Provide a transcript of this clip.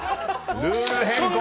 ルール変更！